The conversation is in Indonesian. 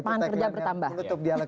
pangan kerja bertambah